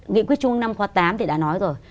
nghị quyết chung năm khoa tám thì đã nói rồi